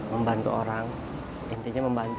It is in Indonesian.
membantu orang intinya membantu